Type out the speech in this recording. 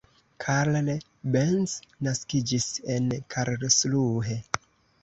Karl Benz naskiĝis en Karlsruhe.